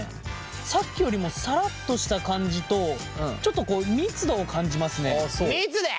さっきよりもサラッとした感じとちょっと密度を感じますね。